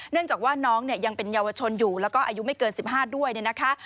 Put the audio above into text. จากว่าน้องเนี่ยยังเป็นเยาวชนอยู่แล้วก็อายุไม่เกิน๑๕ด้วยเนี่ยนะคะ